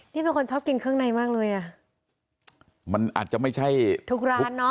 เป็นคนชอบกินเครื่องในมากเลยอ่ะมันอาจจะไม่ใช่ทุกร้านเนอะ